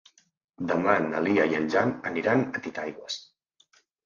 Demà na Lia i en Jan aniran a Titaigües.